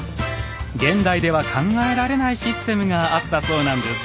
現代では考えられないシステムがあったそうなんです。